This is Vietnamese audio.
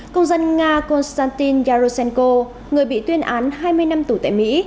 công dân nga konstantin yaroshenko người bị tuyên án hai mươi năm tù tại mỹ